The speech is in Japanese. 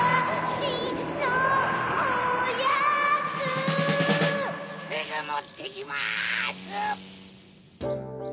すぐもってきます！